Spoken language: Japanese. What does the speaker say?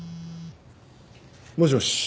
もしもし。